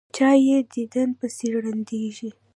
چا یې دیدن پسې ړندېږي.